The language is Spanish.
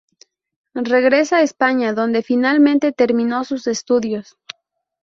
Regresa a España, donde finalmente terminó sus estudios.